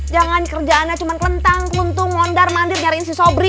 jangan kerjaannya cuma kelentang kluntu mondar mandir nyariin si sobri